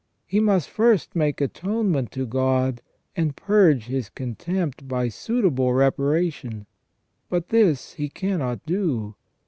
He must first make atonement to God, and purge his contempt by suitable reparation. But this he cannot do.